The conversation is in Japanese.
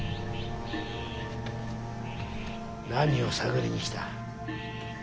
何を探りに来た。